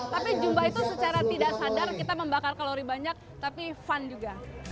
tapi jumba itu secara tidak sadar kita membakar kalori banyak tapi fun juga